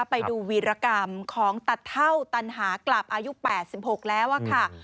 ไปดูวีรกรรมของตัดเท่าตันหากลับอายุ๘๖แล้วค่ะ